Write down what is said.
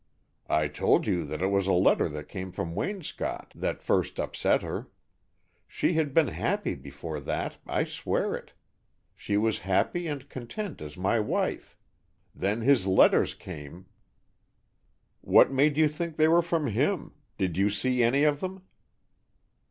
"I told you that it was a letter that came from Waynscott that first upset her. She had been happy before that I swear it. She was happy and content as my wife. Then his letters came " "What made you think they were from him? Did you see any of them?"